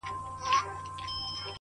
زلمي خوبونو زنګول کیسې به نه ختمېدي!